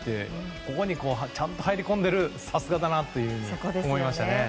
ちゃんと入り込んでるさすがだなと思いましたね。